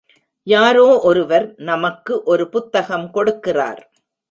யாரோ ஒருவர் நமக்கு ஒரு புத்தகம் கொடுக்கிறார்.